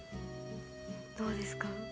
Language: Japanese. どうですか？